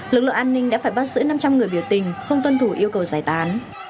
lực lượng an ninh đã phải bắt giữ năm trăm linh người biểu tình không tuân thủ yêu cầu giải tán